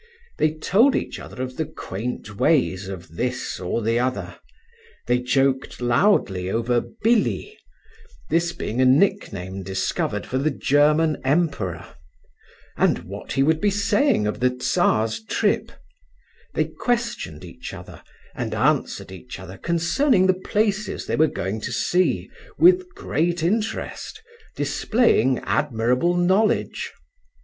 They told each other of the quaint ways of this or the other; they joked loudly over "Billy"—this being a nickname discovered for the German Emperor—and what he would be saying of the Czar's trip; they questioned each other, and answered each other concerning the places they were going to see, with great interest, displaying admirable knowledge.